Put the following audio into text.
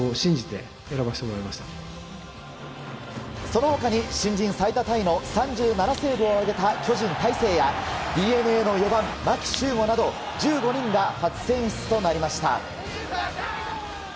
その他に新人最多タイの３７セーブを挙げた巨人、大勢やＤｅＮＡの４番牧秀悟など１５人が初選出となりました。